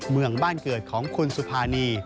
เมืองบ้านเกิดของคุณสุภานี